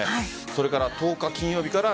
それから１０日金曜日から